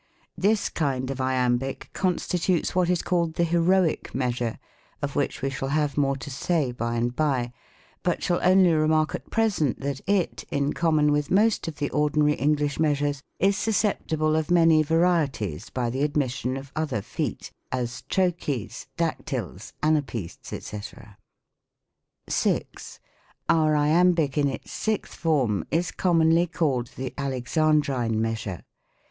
This kind of Iambic constitutes what is called the heroic measure :— of which we shall have more to say by and by ; but shall 126 THE COMIC ENGLISH GRAMMAR. only remark at present that it, in common with most of the ordinary English measures, is susceptible of many varieties, by the admission of other feet, as Trochees, Dactyls, Anapaests, &c. 6. Our Iambic in its sixth form, is commonly called the Alexandrine measure.